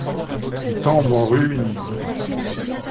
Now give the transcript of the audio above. Il tomba en ruine.